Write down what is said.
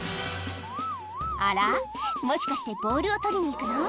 あらもしかしてボールを取りに行くの？